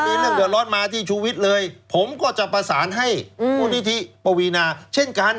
มีเรื่องเดือดร้อนมาที่ชูวิทย์เลยผมก็จะประสานให้มูลนิธิปวีนาเช่นกัน